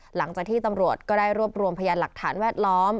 หลังจากที่ตำรวจก็ได้รวบรวมพยานหลักฐานแวดล้อม